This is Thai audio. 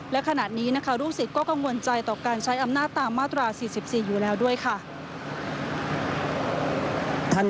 และขณะนี้นะคะลูกศิษย์ก็กังวลใจต่อการใช้อำนาจตามมาตรา๔๔อยู่แล้วด้วยค่ะ